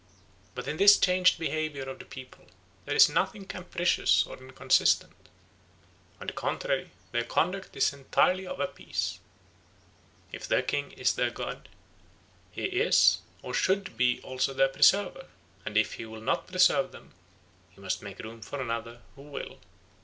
But in this changed behaviour of the people there is nothing capricious or inconsistent. On the contrary, their conduct is entirely of a piece. If their king is their god, he is or should be also their preserver; and if he will not preserve them, he must make room for another who will.